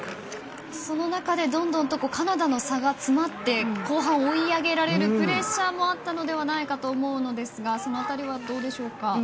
その中でどんどんカナダとの差が詰まって後半、追い上げられるプレッシャーもあったかと思いますがその辺りはどうでしょうか。